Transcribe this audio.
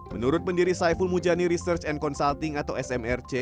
menurut pendiri saiful mujani research and consulting atau smrc